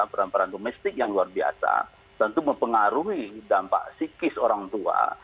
peran peran domestik yang luar biasa tentu mempengaruhi dampak psikis orang tua